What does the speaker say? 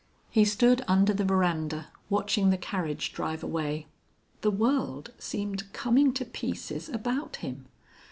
He stood under the verandah watching the carriage drive away. The world seemed coming to pieces about him.